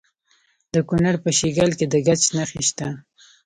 د کونړ په شیګل کې د ګچ نښې شته.